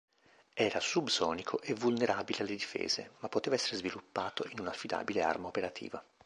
Era subsonico e vulnerabile alle difese, ma poteva essere sviluppato in un'affidabile arma operativa.